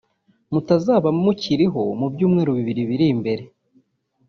mutazaba mukiriho mu byumweru bibiri biri imbere